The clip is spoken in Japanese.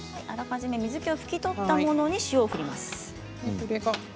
あらかじめ水けを拭き取ったものに塩をかけます。